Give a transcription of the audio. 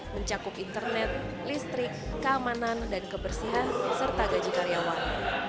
mencakup internet listrik keamanan dan kebersihan serta gaji karyawan